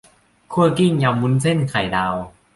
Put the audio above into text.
คั่วกลิ้ง ยำวุ้นเส้น ไข่ดาว